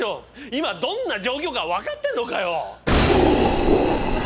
今どんな状況か分かってるのかよ！？